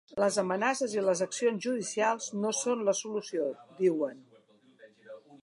Les amenaces i i les accions judicials no són la solució, diuen.